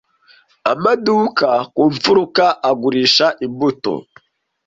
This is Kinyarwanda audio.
Amaduka ku mfuruka agurisha imbuto